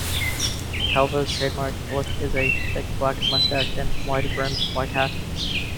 Calvo's trademark look is a thick black moustache and wide-brimmed white hat.